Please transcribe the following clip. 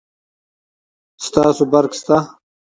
د تاسي برق شته